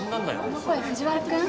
この声藤原くん？